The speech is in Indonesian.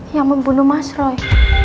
yang membunuh mas roy